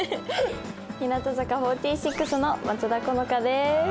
日向坂４６の松田好花です。